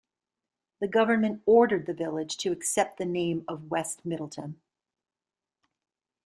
The government ordered the village to accept the name of West Middletown.